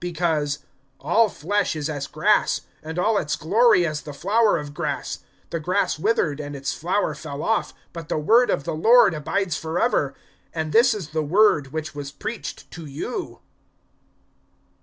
(24)Because, All flesh is as grass, And all its glory as the flower of grass. The grass withered, and its flower fell off; (25)But the word of the Lord abides forever. And this is the word which was preached to you.